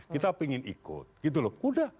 kita ingin ikut sudah